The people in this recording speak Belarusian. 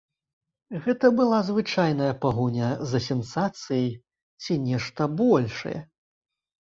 Гэта была звычайная пагоня за сенсацыяй ці нешта большае?